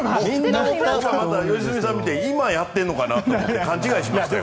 良純さんを見てて今やってるのかなって勘違いしましたよ。